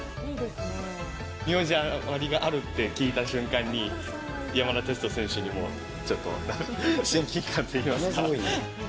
名字割があるって聞いた瞬間に、山田哲人選手にも、ちょっと親近感といいますか。